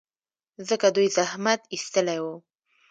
ځکه دوی زحمت ایستلی و.